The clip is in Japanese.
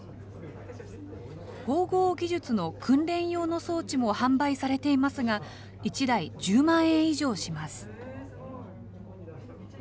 縫合技術の訓練用の装置も販売されていますが、１台１０万円以上します。